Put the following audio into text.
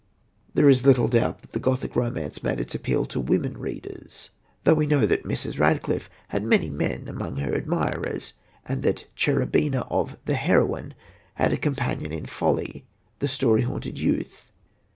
There is little doubt that the Gothic Romance primarily made its appeal to women readers, though we know that Mrs. Radcliffe had many men among her admirers, and that Cherubina of The Heroine had a companion in folly, The Story Haunted Youth.